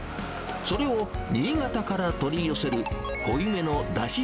それを新潟から取り寄せる濃いめのだし